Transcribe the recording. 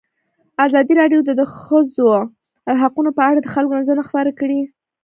ازادي راډیو د د ښځو حقونه په اړه د خلکو نظرونه خپاره کړي.